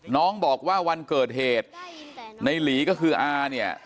น้องบอกว่าวันเกิดเหตุในหลีก็คืออาเนี่ย